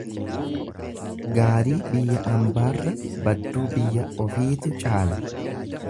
Gaarii biyya ambaarra badduu biyya ofiitu caala.